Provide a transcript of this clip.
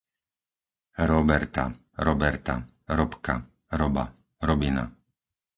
Róberta, Roberta, Robka, Roba, Robina